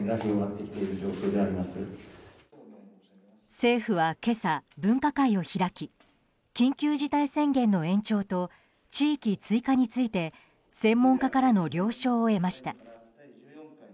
政府は今朝、分科会を開き緊急事態宣言の延長と地域追加について専門家からの了承を得ました。